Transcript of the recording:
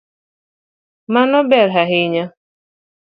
Mano ber ahinya.